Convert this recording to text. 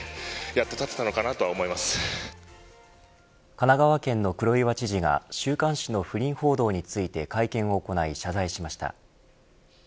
神奈川県の黒岩知事が週刊誌の不倫報道について会見を行い謝罪しました。